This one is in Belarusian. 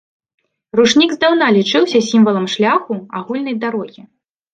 Ручнік здаўна лічыўся сімвалам шляху, агульнай дарогі.